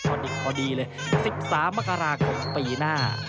พอดิบพอดีเลย๑๓มกราคมปีหน้า